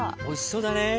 おいしそうだね。